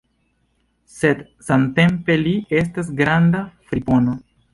Sed samtempe li estas granda fripono!